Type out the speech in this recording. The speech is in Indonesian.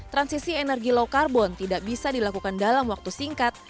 transisi energi low carbon tidak bisa dilakukan dalam waktu singkat